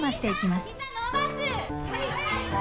はい！